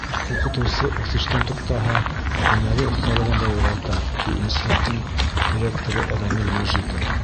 — Уҡытыусы үҫештән туҡтаһа, һөнәри оҫталығын да юғалта, — ти институттың ректоры Рәмил Мәжитов.